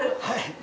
はい。